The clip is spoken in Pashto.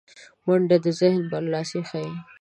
منډه د ذهن برلاسی ښيي